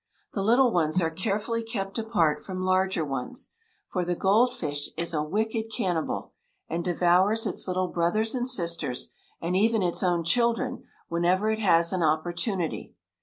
The little ones are carefully kept apart from larger ones, for the gold fish is a wicked cannibal, and devours its little brothers and sisters, and even its own children, whenever it has an opportunity.